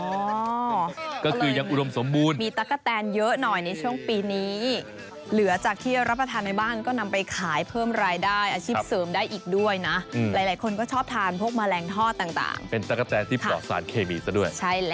โอ้ก็คือยังอุดมสมบูรณ์มีตักกะแตนเยอะหน่อยในช่วงปีนี้